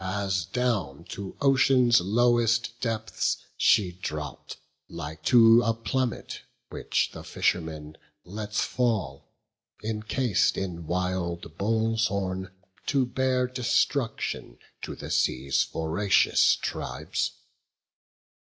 As down to ocean's lowest depths she dropp'd, Like to a plummet, which the fisherman Lets fall, encas'd in wild bull's horn, to bear Destruction to the sea's voracious tribes.